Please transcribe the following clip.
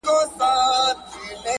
o په تېرو اوبو پسي څوک يوم نه وړي!